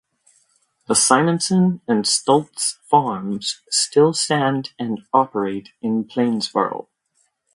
The Simonson and Stults Farms still stand and operate in Plainsboro.